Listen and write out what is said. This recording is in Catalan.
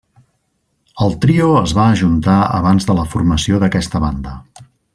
El trio es va ajuntar abans de la formació d'aquesta banda.